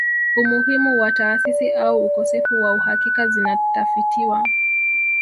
Umuhimu wa taasisi au ukosefu wa uhakika zinatafitiwa